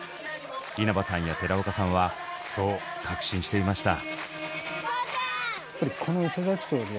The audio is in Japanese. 稲葉さんや寺岡さんはそう確信していました。